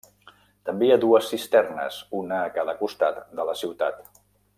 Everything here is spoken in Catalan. També hi ha dues cisternes, una a cada costat de la ciutat.